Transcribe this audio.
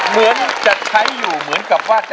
เหมือนจะใช้อยู่เหมือนกับว่าจะ